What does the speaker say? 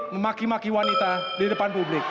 memaki maki wanita di depan publik